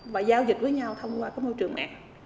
và giao dịch với nhau thông qua cái môi trường mạng